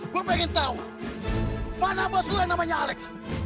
gue pengen tau mana bos lo yang namanya alec